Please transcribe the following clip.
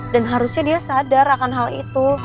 dan harusnya dia sadar akan hal itu